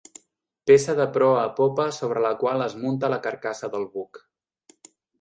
Peça de proa a popa sobre la qual es munta la carcassa del buc.